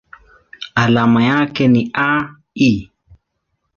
Alama yake ni Al.